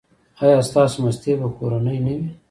ایا ستاسو ماستې به کورنۍ نه وي؟